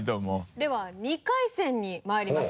では２回戦にまいります。